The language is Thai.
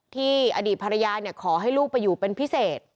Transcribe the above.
อดีตภรรยาขอให้ลูกไปอยู่เป็นพิเศษ